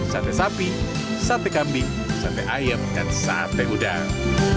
sate sapi sate kambing sate ayam dan sate udang